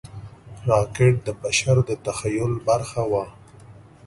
راکټ د بشر د تخیل برخه وه